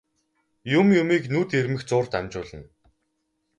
Юм юмыг нүд ирмэх зуурт амжуулна.